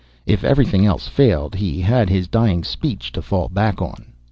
If everything else failed he had his dying speech to fall back on.